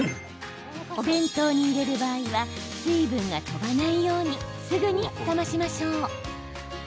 お弁当に入れる場合は水分が飛ばないようにすぐに冷ましましょう。